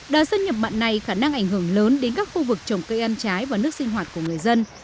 đợt xâm nhập mặn này khả năng ảnh hưởng lớn đến các khu vực trồng cây ăn trái và nước sinh hoạt của người dân